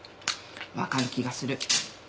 わかる気がする。